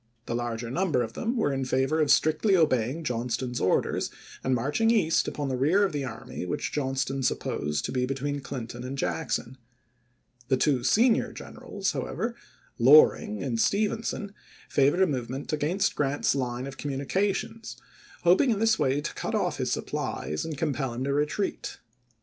The larger number of them were in favor of strictly obeying Johnston's orders and marching east upon the rear of the army which Johnston supposed to be between Clinton and Jackson ; the two senior generals, however, Loring and Stevenson, favored a movement against Grant's line of communications, hoping in this way to cut off his supplies and compel him to retreat.